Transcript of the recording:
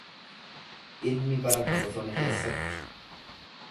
Ilmi barata bosona keessatti.